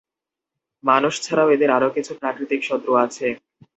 মানুষ ছাড়াও এদের আরো কিছু প্রাকৃতিক শত্রু আছে।